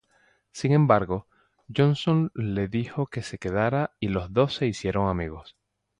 Sin embargo, Johnson le dijo que se quedara y los dos se hicieron amigos.